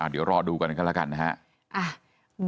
เดี๋ยวรอดูกันกันแล้วกันนะครับ